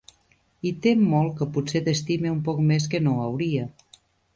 I tem molt que pot-ser t'estime un poc més que no hauria.